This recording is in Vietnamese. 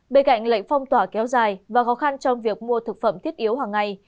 bên cạnh lệnh phong tỏa kéo dài và khó khăn trong việc mua thực phẩm thiết yếu hàng ngày